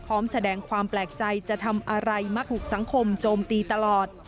พร้อมแสดงความแปลกใจจะทำอะไรมักถูกสังคมโจมตีตลอด